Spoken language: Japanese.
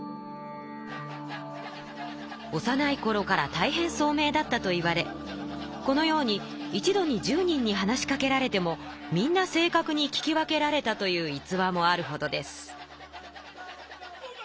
おさないころからたいへんそうめいだったといわれこのように一度に１０人に話しかけられてもみんな正確に聞き分けられたという逸話もあるほどです。